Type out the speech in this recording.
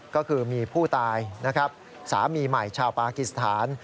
ก็คือมีผู้ตายสามีใหม่ชาวปารกิสธาน